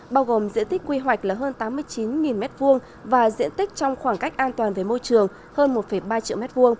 bao gồm diện tích quy hoạch là hơn tám mươi chín m hai và diện tích trong khoảng cách an toàn về môi trường hơn một ba triệu m hai